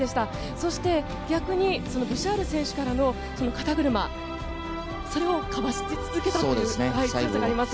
そして、逆にブシャール選手からの肩車それをかわし続けたという強さがあります。